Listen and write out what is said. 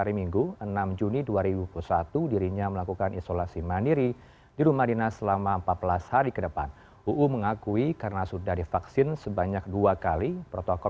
ruzanul ulum diketahui sudah dua kali menerima vaksin covid sembilan belas sinovac pada empat belas dan dua puluh delapan bulan